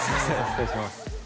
失礼します